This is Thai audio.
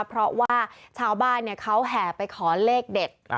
เพราะว่าชาวบ้านเขาแห่ไปขอเลขเด็ด